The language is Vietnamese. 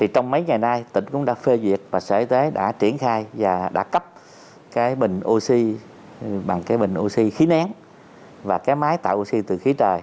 trong mấy ngày nay tỉnh cũng đã phê duyệt và sở y tế đã triển khai và đã cấp bình oxy bằng bình oxy khí nén và cái máy tạo oxy từ khí trời